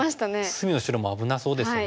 隅の白も危なそうですよね。